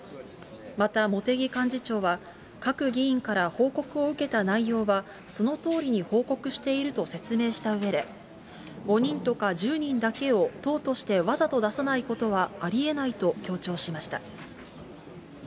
また茂木幹事長は、各議員から報告を受けた内容は、そのとおりに報告していると説明したうえで、５人とか１０人だけを、党としてわざと出さないことはありえないと強調しました。